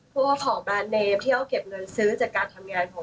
เพราะว่าของแบรนด์เนมที่อ้อเก็บเงินซื้อจากการทำงานของอ้อ